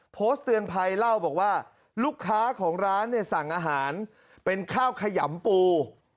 โพสต์เตือนภัยเล่าบอกว่าลูกค้าของร้านเนี่ยสั่งอาหารเป็นข้าวขยำปู